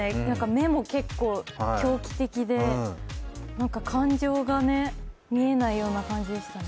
目も結構狂気的で感情がね、見えないような感じでしたね。